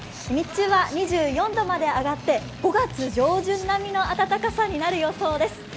日中は２４度まで上がって、５月上旬並みの暖かさになる予想です。